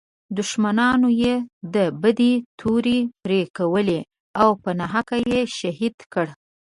دښمنانو یې د بدۍ تورې پړکولې او په ناحقه یې شهید کړ.